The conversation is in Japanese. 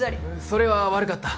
それは悪かった。